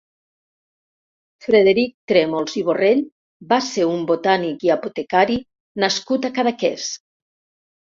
Frederic Trèmols i Borrell va ser un botànic i apotecari nascut a Cadaqués.